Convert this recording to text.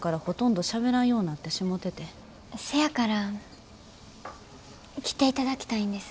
せやから来ていただきたいんです。